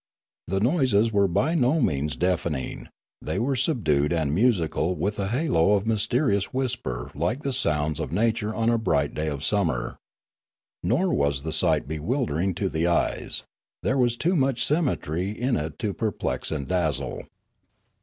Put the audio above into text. The noises were by no me'ans deafening ; they were subdued and musical with a halo of mysterious whisper like the sounds of nature on a bright day of summer. Nor was the sight 102 Limanora bewildering to the eyes; there was too much symmetry in it to perplex and dazzle.